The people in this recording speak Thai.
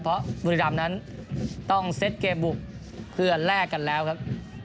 เพราะบุรีรำนั้นต้องเซ็ตเกมบุกเพื่อแลกกันแล้วครับ